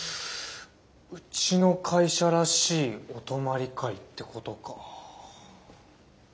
うちの会社らしいお泊まり会ってことか。